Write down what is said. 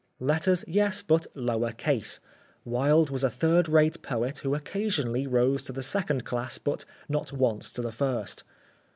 Letters, yes, but lower case. Wilde was a third rate poet who occasionally rose to the second class but not once to the first.